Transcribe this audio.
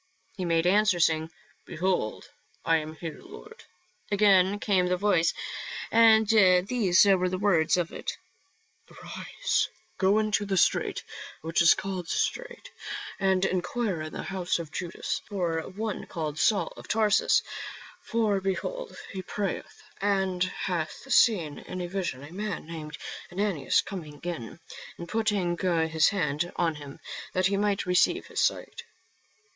He made answer, saying, " Behold, I am here, Lord." Again came the voice and these were the words of it :" Arise, go into the street which is called Straight, and enquire in the house of Judas for one called Saul of Tarsus ; for behold, he prayeth, and hath seen in a vision a man named Ananias coming in, and putting his hand on him, that he might receive his sight."